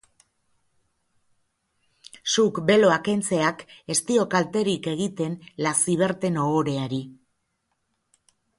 Zuk beloa kentzeak ez dio kalterik egiten Laciverten ohoreari.